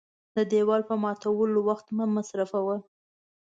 د دېوال په ماتولو وخت مه مصرفوه .